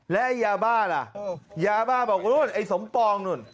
แล้วไอ้ยาบ้าล่ะยาบ้าบอกนู่นไอ้สมปองนู่น